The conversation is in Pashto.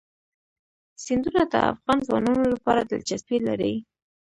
سیندونه د افغان ځوانانو لپاره دلچسپي لري.